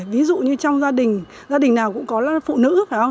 ví dụ như trong gia đình gia đình nào cũng có phụ nữ phải không